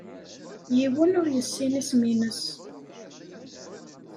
Yiwen ur yessin isem-nnes.